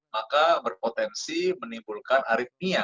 maka berpotensi menimbulkan aritmia